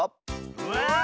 うわ！